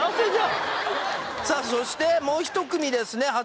そしてもう一組ですね